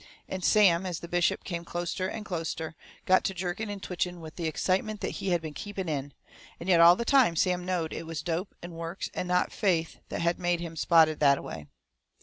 And Sam, as the bishop come closeter and closeter, got to jerking and twitching with the excitement that he had been keeping in and yet all the time Sam knowed it was dope and works and not faith that had made him spotted that a way.